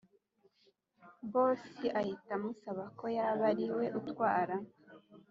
boss ahita amusaba ko yaba ariwe utwara